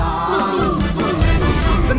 ร้องได้ให้ร้อง